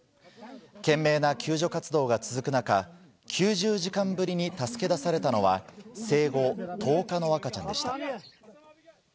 懸命な救助活動が続く中９０時間ぶりに助け出されたのは生後１０日の赤ちゃんでした。